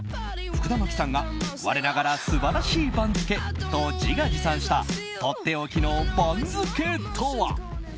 福田麻貴さんが我ながら素晴らしい番付と自画自賛したとっておきの番付とは。